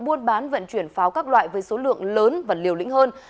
buôn bán vận chuyển pháo các loại với số lượng lớn và liều lĩnh hơn